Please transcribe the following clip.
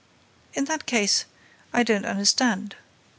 "In that case, I don't understand.